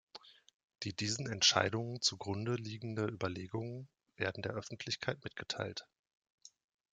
Die diesen Entscheidungen zugrundeliegende Überlegungen werden der Öffentlichkeit mitgeteilt.